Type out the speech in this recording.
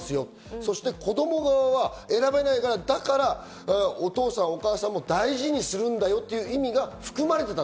そして子供側は選べないから、だからお父さん、お母さんを大事にするんだよっていう意味が含まれてた。